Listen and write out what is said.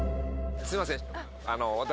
すいません私。